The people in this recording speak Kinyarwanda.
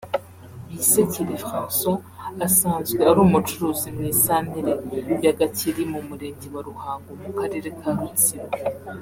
Bisekere François asanzwe ari umucuruzi mu isantere ya Gakeri mu murenge wa Ruhango mu karere ka Rutsiro